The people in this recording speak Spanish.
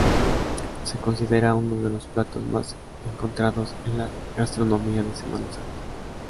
Se considera uno de los platos más encontrados en la gastronomía de Semana Santa.